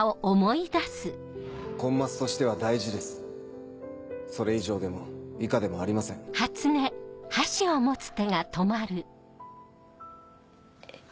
コンマスとしては大事ですそれ以上でも以下でもありませんえっ